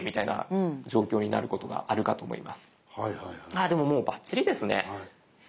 ああでももうバッチリですね。